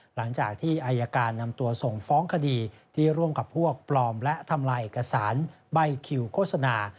หลังจากที่อายการนำตัวส่งฟ้องคดีที่ร่วมกับพวกปลอมและทำลายเอกสารใบคิวโฆษณา